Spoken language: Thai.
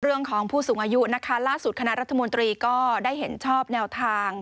เรื่องของผู้สูงอายุล่าสุดคณะรัฐมนตรีก็ได้เห็นชอบแนวทาง